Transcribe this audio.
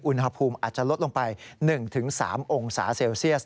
อุณหภูมิอาจจะลดลงไป๑๓องศาเซลเซียส